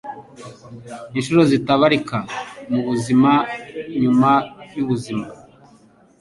inshuro zitabarika mu buzima nyuma y'ubuzima